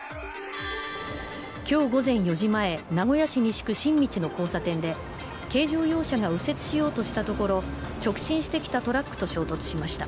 今日午前４時前、名古屋市西区新道の交差点で軽乗用車が右折しようとしたところ、直進してきたトラックと衝突しました。